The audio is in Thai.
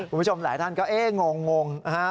ผู้ชมหลายท่านก็เอ้ยงง